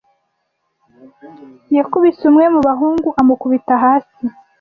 yakubise umwe mu bahungu amukubita hasi.